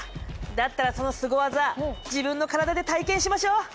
だったらそのスゴ技自分の体で体験しましょ！